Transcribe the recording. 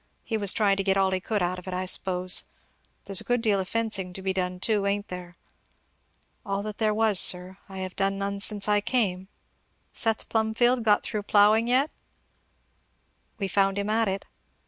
He was trying to get all he could out of it, I s'pose. There's a good deal of fencing to be done too, ain't there?" "All that there was, sir, I have done none since I came." "Seth Plumfield got through ploughing yet?" "We found him at it."